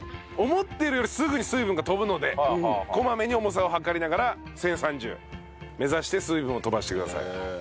思ってるよりすぐに水分が飛ぶのでこまめに重さを量りながら１０３０目指して水分を飛ばしてください。